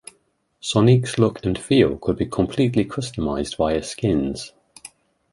Sonique's look and feel could be completely customized via skins.